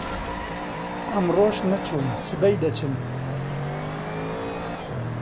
ئەمڕۆش نەچووم، سبەی دەچم!